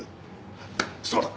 そうだ。